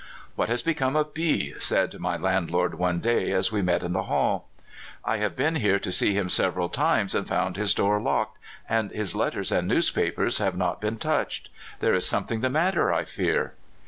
'' What has become of B ?" said my land lord one day as we met in the hall. '* I have been here to see him several times, and found his door locked, and his letters and newspapers have not been touched. There is something the matter, I fear."